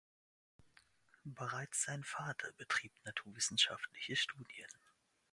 Bereits sein Vater betrieb naturwissenschaftliche Studien.